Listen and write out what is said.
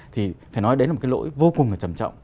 thì phải nói đấy là một cái lỗi vô cùng là trầm trọng